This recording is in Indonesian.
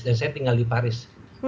dan saya tinggal di paris